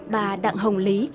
bà đặng hồng lý